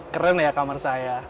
keren ya kamar saya